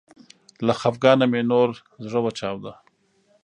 له خفګانه مې نور زړه وچاوده